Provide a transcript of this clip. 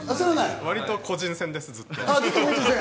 わりと個人戦です、ずっと。